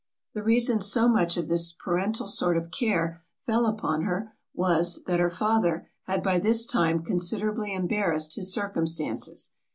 The reason so much of this parental sort of care fell upon her, was, that her father had by this time considerably embarrassed his circumstances.